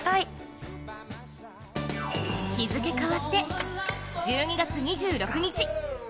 日付変わって、１２月２６日。